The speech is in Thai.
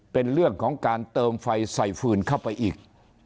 เป็นเรื่องของการเติมไฟใส่ฟืนเข้าไปอีก